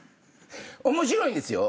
面白いですよ。